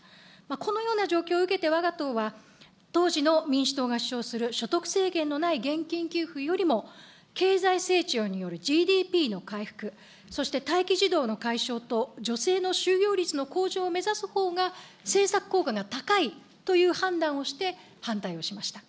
このような状況を受けて、わが党は当時の民主党が主張する、所得制限のない現金給付よりも経済成長によるＧＤＰの回復、そして待機児童の解消と女性の就業率の向上を目指すほうが政策効果が高いという判断をして、反対をしました。